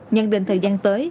nhân định thời gian tới